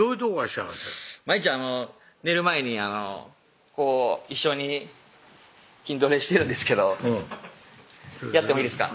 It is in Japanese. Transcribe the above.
毎日寝る前に一緒に筋トレしてるんですけどやってもいいですか？